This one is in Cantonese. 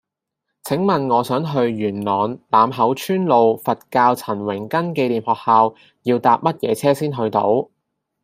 請問我想去元朗欖口村路佛教陳榮根紀念學校要搭乜嘢車先去到